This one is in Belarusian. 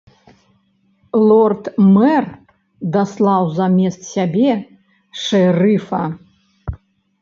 Лорд-мэр даслаў замест сябе шэрыфа.